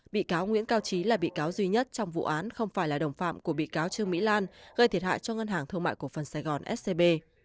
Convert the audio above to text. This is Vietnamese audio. bị cáo nguyễn cao trí là bị cáo duy nhất trong vụ án không phải là đồng phạm của bị cáo trương mỹ lan gây thiệt hại cho ngân hàng thương mại cổ phần sài gòn scb